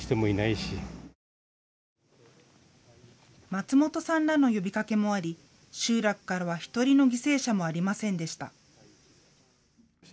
松本さんらの呼びかけもあり集落からは１人の犠牲者もありませんでした。